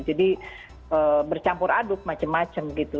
jadi bercampur aduk macem macem gitu